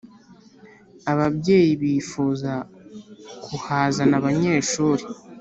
ababyeyibifuza kuhazana abanyeshuri